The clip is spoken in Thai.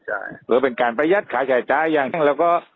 หรือเป็นการประยัดขาชายจ้ายอย่างนั้นแล้วก็